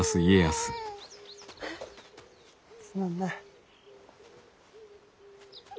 すまんな。